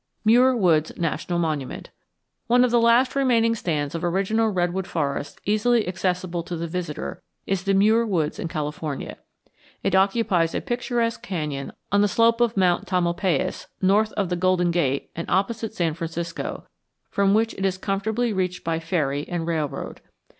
MUIR WOODS NATIONAL MONUMENT One of the last remaining stands of original redwood forest easily accessible to the visitor is the Muir Woods in California. It occupies a picturesque canyon on the slope of Mount Tamalpais, north of the Golden Gate and opposite San Francisco, from which it is comfortably reached by ferry and railroad.